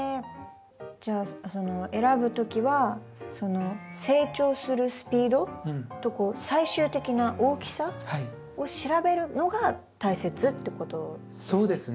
じゃあ選ぶときは成長するスピードと最終的な大きさを調べるのが大切ってことですね。